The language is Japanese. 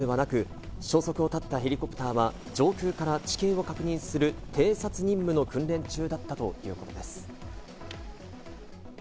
事故当時は悪天候ではなく、消息を絶ったヘリコプターは上空から地形を確認する偵察任務の訓練中だったということです。